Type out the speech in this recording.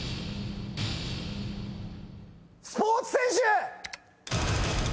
スポーツ選手！